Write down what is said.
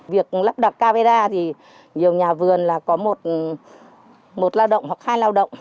việc lắp đặt camera thì nhiều nhà vườn là có một một lao động